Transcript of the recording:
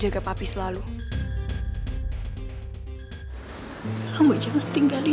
aku mau pergi ke rumah ini untuk jaga papi selalu